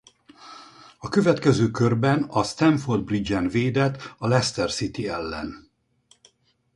A következő körben a Stamford Bridge-en védett a Leicester City ellen.